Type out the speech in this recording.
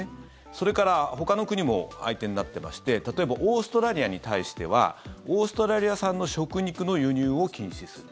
それからほかの国も相手になっていまして例えばオーストラリアに対してはオーストラリア産の食肉の輸入を禁止する。